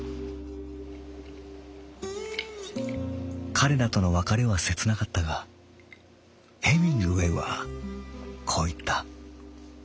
「彼らとの別れは切なかったがヘミングウェイはこういった。